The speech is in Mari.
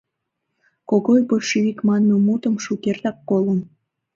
Когой большевик манме мутым шукертак колын.